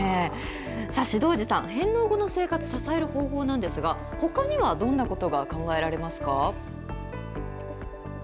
さあ志堂寺さん、返納後の生活を支える方法なんですがほかにはどんなことが考えられるんですか。